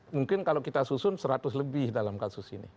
mungkin kalau kita susun seratus lebih dalam kasus ini